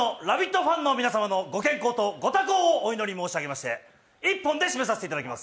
ファンの皆さんのご健康とご多幸をお祈り申し上げまして一本で締めさせていただきます。